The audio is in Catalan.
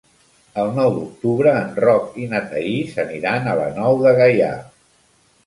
El nou d'octubre en Roc i na Thaís aniran a la Nou de Gaià.